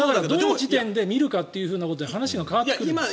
どの時点で見るかによって話が変わってくるんです。